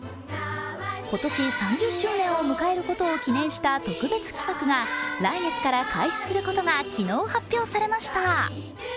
今年３０周年を迎えることを記念した特別企画が来月から開始することが昨日発表されました。